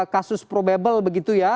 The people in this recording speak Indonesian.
kasus probable begitu ya